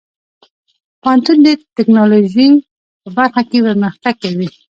پوهنتون د ټیکنالوژۍ په برخه کې پرمختګ کوي.